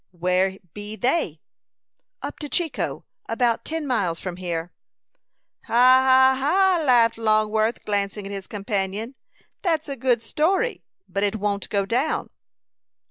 "Where be they?" "Up to Chicot about ten miles from here." "Ha, ha, ha!" laughed Longworth, glancing at his companion. "That's a good story, but it won't go down."